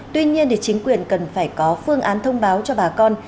tuy nhiên chính quyền cần phải có phương án thông báo cho bà con